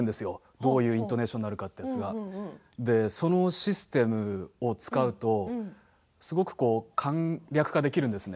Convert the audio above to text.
どういうイントネーションになるのかそのシステムを使うと簡略化できるんですね